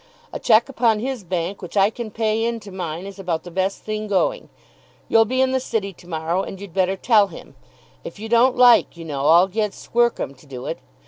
A cheque upon his bank which I can pay in to mine is about the best thing going. You'll be in the city to morrow, and you'd better tell him. If you don't like, you know, I'll get Squercum to do it."